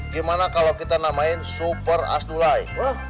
gimana kalau kita namain super asdulai